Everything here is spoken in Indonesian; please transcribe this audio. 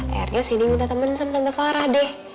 akhirnya sindi minta temen sama tante farah deh